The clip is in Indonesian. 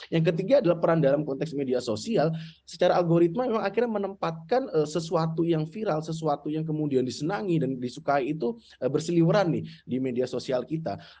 yang ketiga adalah peran dalam konteks media sosial secara algoritma memang akhirnya menempatkan sesuatu yang viral sesuatu yang kemudian disenangi dan disukai itu berseliweran nih di media sosial kita